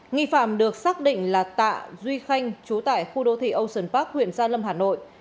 nghi phạm được xác định là tạ duy khanh chú tại khu đô thị ocean park huyện gia lâm hà nội